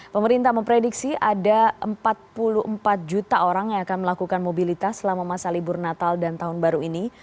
pemerintah memprediksi ada empat puluh empat juta orang yang akan melakukan mobilitas selama masa libur natal dan tahun baru ini